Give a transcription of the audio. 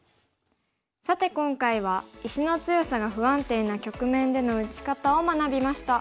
さて今回は石の強さが不安定な局面での打ち方を学びました。